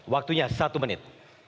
waktunya satu menit